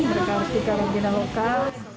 mereka harus dikarantina lokal